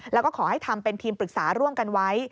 แล้วก็ขอให้ทำเป็นทีมปรึกษาร่วมกันไว้